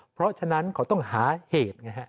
เพราะฉะนั้นเขาต้องหาเหตุไงฮะ